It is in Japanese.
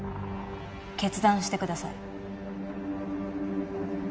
決断してください。